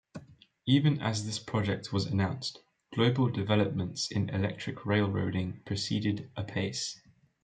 Even as this project was announced global developments in electric railroading proceeded apace.